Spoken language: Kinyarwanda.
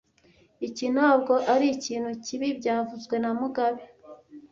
Iki ntabwo ari ikintu kibi byavuzwe na mugabe